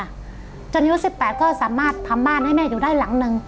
อายุ๑๘ก็สามารถทำบ้านให้แม่อยู่ได้หลังนึง